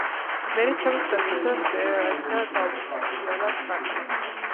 მერე ჩემს ფისოს ეძგერა, დაუბრიალა თვალია,